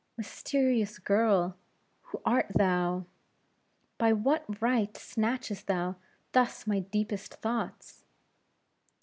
Mysterious girl! who art thou? by what right snatchest thou thus my deepest thoughts?